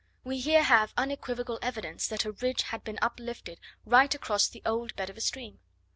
We here have unequivocal evidence that a ridge had been uplifted right across the old bed of a stream.